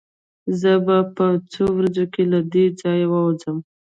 زه به په څو ورځو کې له دې ځايه ووځم.